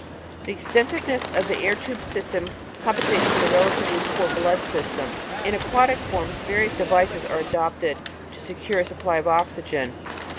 The ex tensiveness of the air tube system compensates for the relatively poor blood system. In aquatic forms various devices are adopted to secure a supply of oxygen.